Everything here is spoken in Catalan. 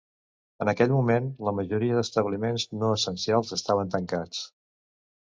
En aquell moment, la majoria d’establiments no essencials estaven tancats.